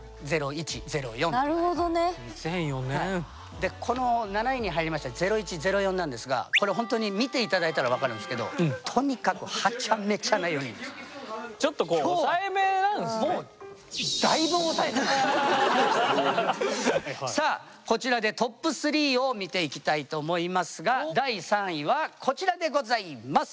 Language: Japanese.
でこの７位に入りました０１０４なんですがこれほんとに見て頂いたら分かるんすけどちょっとこうきょうはもうさあこちらでトップ３を見ていきたいと思いますが第３位はこちらでございます！